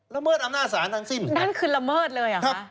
เมิดอำนาจศาลทั้งสิ้นนั่นคือละเมิดเลยเหรอครับ